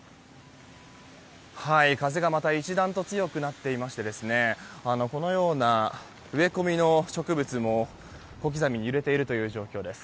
風がまた一段と強くなっていましてこのような植え込みの植物も小刻みに揺れている状況です。